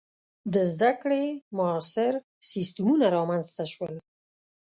• د زده کړې معاصر سیستمونه رامنځته شول.